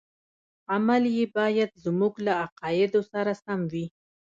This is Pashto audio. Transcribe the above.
عمل یې باید زموږ له عقایدو سره سم وي.